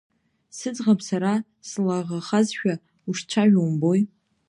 Сыӡӷаб сара слаӷахазшәа ушцәажәо умбои.